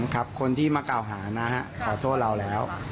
ครับคนที่มาเก่าหานะขอโทษเราแล้ว